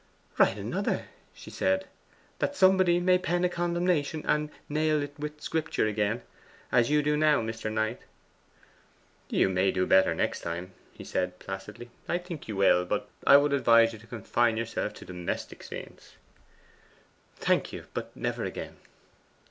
'Write another?' she said. 'That somebody may pen a condemnation and "nail't wi' Scripture" again, as you do now, Mr. Knight?' 'You may do better next time,' he said placidly: 'I think you will. But I would advise you to confine yourself to domestic scenes.' 'Thank you. But never again!